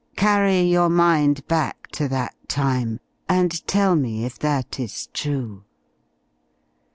Carry your mind back to that time, and tell me if that is true."